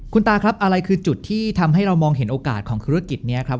คุณตาครับอะไรคือจุดที่ทำให้เรามองเห็นโอกาสของธุรกิจนี้ครับ